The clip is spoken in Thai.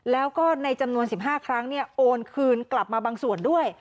แล้วก็ในจำนวน๑๕ครั้งโอนคืนกลับมาบางส่วนด้วย